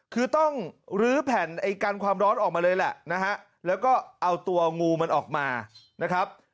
คือต้องลื้อแผ่นไอ้กันความร้อนออกมาเลยแหละนะฮะแล้วก็เอาตัวงูมันออกมานะครับ